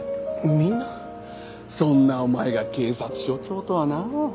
そんなお前が警察署長とはな。